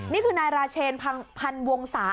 นี่คือนายราเชนพันวงศา